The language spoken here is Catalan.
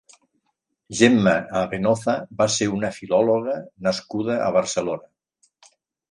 Gemma Avenoza va ser una filòloga nascuda a Barcelona.